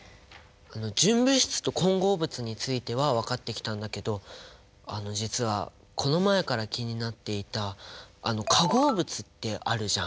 純物質と混合物については分かってきたんだけどあの実はこの前から気になっていた化合物ってあるじゃん。